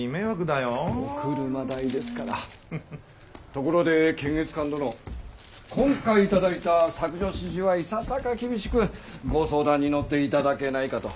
ところで検閲官殿今回いただいた削除指示はいささか厳しくご相談に乗っていただけないかと。